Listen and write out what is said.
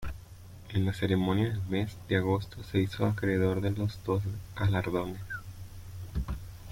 En la ceremonia del mes de agosto, se hizo acreedor de los dos galardones.